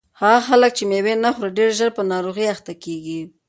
هغه خلک چې مېوې نه خوري ډېر ژر په ناروغیو اخته کیږي.